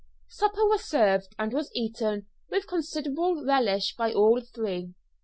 Supper was served, and was eaten with considerable relish by all three.